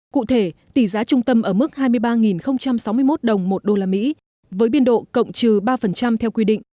cụ thể tỷ giá trung tâm ở mức hai mươi ba sáu mươi một đồng một đô la mỹ với biên độ cộng trừ ba theo quy định